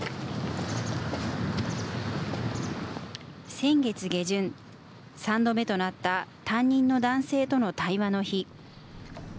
先月下旬、３度目となった、担任の男性との対話の日。